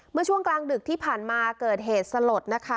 เมื่อช่วงกลางดึกที่ผ่านมาเกิดเหตุสลดนะคะ